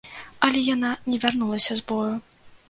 Але яна не вярнулася з бою.